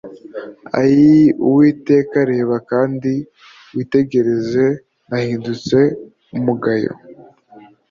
Ayii Uwiteka, reba kandi witegereze, Nahindutse umugayo.